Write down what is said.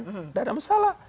tidak ada masalah